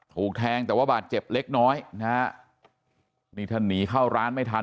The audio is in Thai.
ถูกแทงแต่ว่าบาดเจ็บเล็กน้อยนะฮะนี่ท่านหนีเข้าร้านไม่ทัน